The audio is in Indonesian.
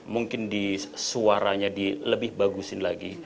mungkin suaranya lebih bagus lagi